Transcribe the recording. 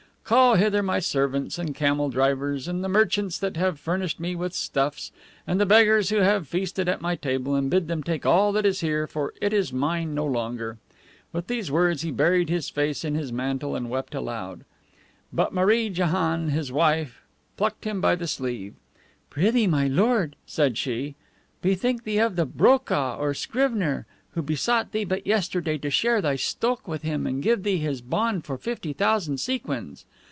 Call hither my servants and camel drivers, and the merchants that have furnished me with stuffs, and the beggars who have feasted at my table, and bid them take all that is here, for it is mine no longer!" With these words he buried his face in his mantle and wept aloud. But MAREE JAHANN, his wife, plucked him by the sleeve. "Prithee, my lord," said she, "bethink thee of the BROKAH or scrivener, who besought thee but yesterday to share thy STOKH with him and gave thee his bond for fifty thousand sequins."